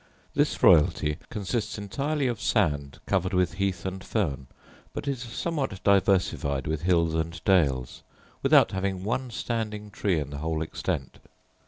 This royalty consists entirely of sand covered with heath and fern; but is somewhat diversified with hills and dales, without having one standing tree in the whole extent.